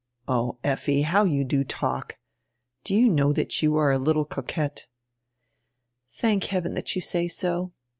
"Ah, Efli, how you do talk! Do you know diat you are a litde coquette?" "Thank heaven drat you say so.